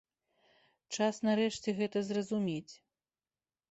Час нарэшце гэта зразумець.